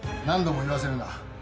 何度も言わせるな。